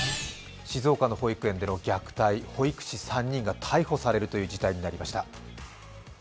静岡の保育園での虐待保育士３人が逮捕されるという事態になりました。